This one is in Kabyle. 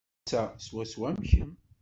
Netta swaswa am kemm.